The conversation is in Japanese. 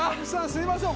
すいません。